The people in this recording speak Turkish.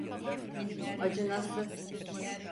Acınası.